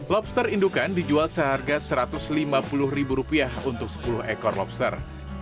lobster indukan dijual seharga rp satu ratus lima puluh ribu rupiah untuk sepuluh ekor lobster